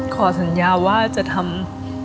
ขอสัญญาว่าจะทำ